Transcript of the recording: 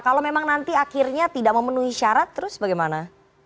kalau memang nanti akhirnya tidak memenuhi syarat terus bagaimana